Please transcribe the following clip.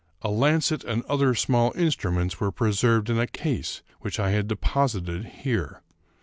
A lancet and other small instruments were preserved in a case which I had deposited here.